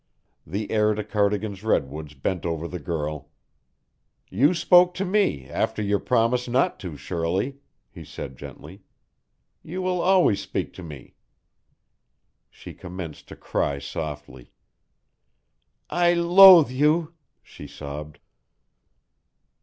The heir to Cardigan's Redwoods bent over the girl. "You spoke to me after your promise not to, Shirley," he said gently. "You will always speak to me." She commenced to cry softly. "I loathe you," she sobbed.